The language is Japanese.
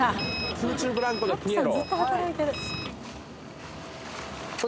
空中ブランコでピエロ。